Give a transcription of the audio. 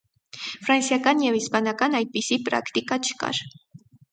Ֆրանսիական և իսպանական այդպիսի պրակտիկա չկար։